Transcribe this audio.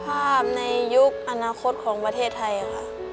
ภาพในยุคอนาคตของประเทศไทยค่ะ